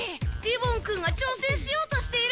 利梵君が挑戦しようとしている！